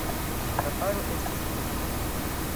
La paro estos porvive.